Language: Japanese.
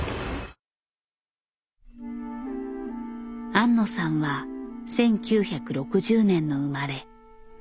庵野さんは１９６０年の生まれ。